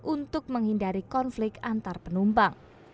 untuk menghindari konflik antar penumpang